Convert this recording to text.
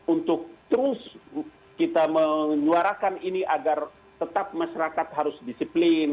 untuk terus kita menyuarakan ini agar tetap masyarakat harus disiplin